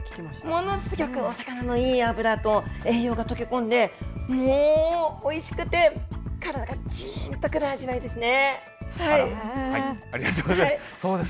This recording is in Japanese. ものすぎょくお魚のいい脂と栄養が溶け込んで、もうおいしくて、体がじーんとくる味わいですね。